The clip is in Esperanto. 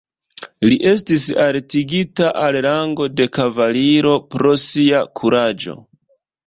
Li estis altigita al rango de kavaliro pro sia kuraĝo.